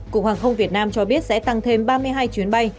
cục hàng không việt nam cho biết sẽ tăng thêm ba mươi hai chuyến bay